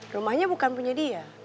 rumahnya bukan punya dia